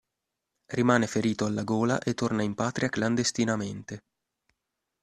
Rimane ferito alla gola e torna in patria clandestinamente.